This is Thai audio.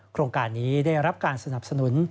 โครงการนี้ได้รับการสนับสนุน